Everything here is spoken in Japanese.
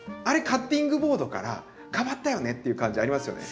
カッティングボードから変わったよね」っていう感じありますよね。